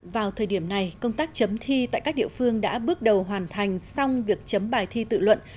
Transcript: vào thời điểm này công tác chấm thi tại các địa phương đã bước đầu hoàn thành xong việc chấm bài thi tự luận